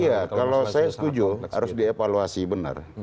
iya kalau saya setuju harus dievaluasi benar